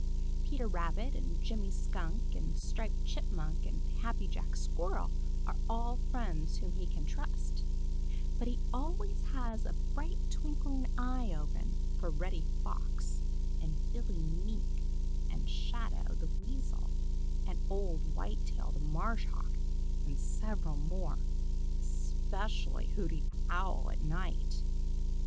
Peter Rabbit and Jimmy Skunk and Striped Chipmunk and Happy Jack Squirrel are all friends whom he can trust, but he always has a bright twinkling eye open for Reddy Fox and Billy Mink and Shadow the Weasel and old Whitetail the Marsh Hawk, and several more, especially Hooty the Owl at night.